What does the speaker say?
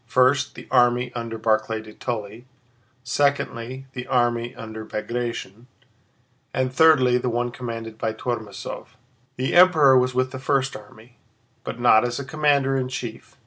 First, the army under Barclay de Tolly, secondly, the army under Bagratión, and thirdly, the one commanded by Tormásov. The Emperor was with the first army, but not as commander in chief.